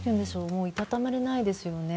もういたたまれないですよね。